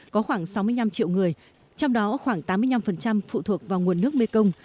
có khoảng sáu mươi năm triệu người trong đó khoảng tám mươi năm phụ thuộc vào nguồn nước mekong